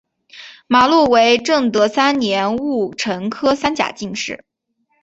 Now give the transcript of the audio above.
马录为正德三年戊辰科三甲进士。